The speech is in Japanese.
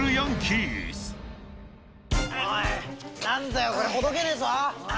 おい何だよこれほどけねえぞ。